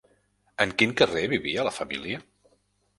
En quin carrer vivia la família?